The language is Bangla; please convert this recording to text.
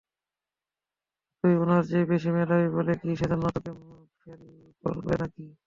তুই উনার চেয়ে বেশি মেধাবী বলে কি সেজন্য তোকে ফেল করাবে নাকি?